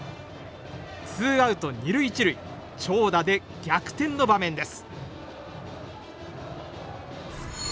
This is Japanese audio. ツーアウト二塁一塁長打で逆転の場面です。